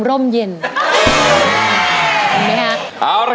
ขอบคุณครับ